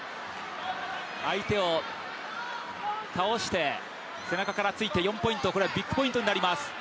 相手を倒して背中からついて４ポイント、これはビッグポイントになります。